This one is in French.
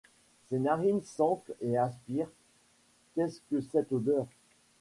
Mes narines s’enflent et aspirent. « Qu’est-ce que cette odeur ?